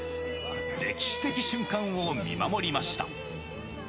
歴史的瞬間を見守りました。